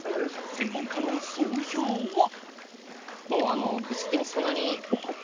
専門家の総評は。